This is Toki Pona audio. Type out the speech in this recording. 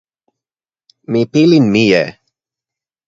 mi pilin mije.